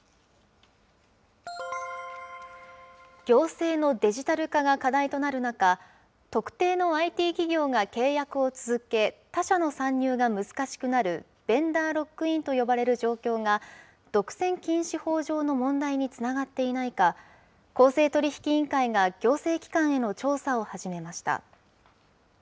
行政のデジタル化が課題となる中、特定のＩＴ企業が契約を続け、他社の参入が難しくなる、ベンダーロックインと呼ばれる状況が、独占禁止法上の問題につながっていないか、公正取引委員会が行政機関への調査を始めました。